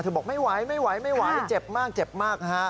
เธอบอกไม่ไหวเจ็บมาก